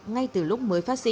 ngay từ lúc mới phát sinh